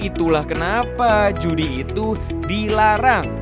itulah kenapa judi itu dilarang